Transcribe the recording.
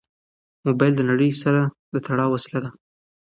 موبایل د نړۍ سره د تړاو وسیله ده.